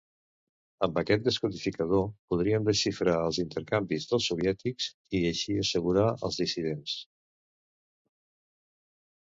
Amb aquest descodificador podrien desxifrar els intercanvis dels soviètics i així assegurar els dissidents.